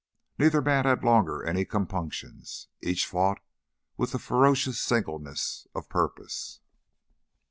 Neither man longer had any compunctions; each fought with a ferocious singleness of purpose.